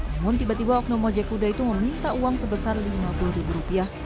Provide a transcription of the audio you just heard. namun tiba tiba oknum ojek kuda itu meminta uang sebesar lima puluh ribu rupiah